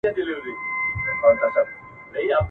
وینا نه وه بلکه غپا یې کوله !.